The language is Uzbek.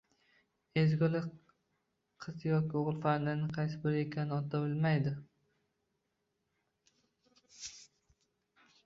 Ezgulik qiz yo o’g’il farzandning qaysi birida ekanini ota bilmaydi.